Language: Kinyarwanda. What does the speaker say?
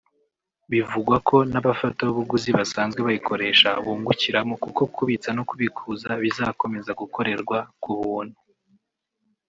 Bivugwa ko n’abafatabuguzi basanzwe bayikoresha bungukiramo kuko kubitsa no kubikuza bizakomeza gukorerwa ku buntu